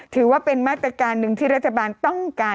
ถือว่าเป็นมาตรการหนึ่งที่รัฐบาลต้องการ